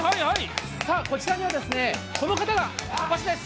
こちらにはこの方がお越しです。